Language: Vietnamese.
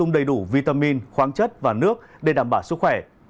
để đảm bảo sức khỏe